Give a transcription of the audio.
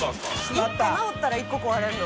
１個直ったら１個壊れるの？